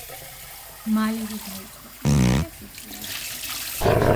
მალევე დაიწყო წვიმები და სიცივე.